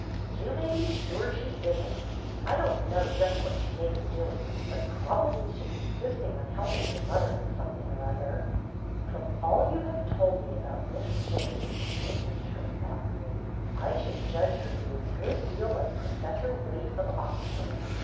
"You may be sure she is n't. I don't know just what she may be doing, but probably she's insisting on helping my mother at something or other." "From all you have told me about Miss Jane," said Minturne, thoughtfully, "I should judge her to be a good deal like Professor Wayte of Oxford.